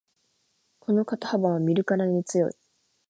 この肩幅は見るからに強い